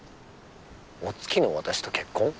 お付きの私と結婚？